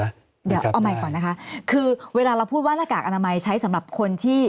เดี๋ยวเอาใหม่ก่อนนะคะคือเวลาเราพูดว่าหน้ากากอนามัยใช้สำหรับคนที่